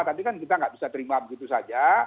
tapi kita tidak bisa terima begitu saja